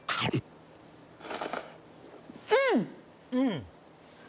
うん！